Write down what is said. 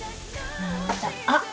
あっ。